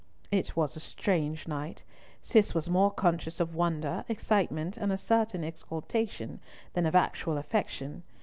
It was a strange night. Cis was more conscious of wonder, excitement, and a certain exultation, than of actual affection.